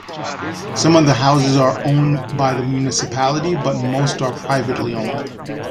Some of the houses are owned by the municipality, but most are privately owned.